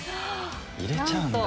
入れちゃうんだ。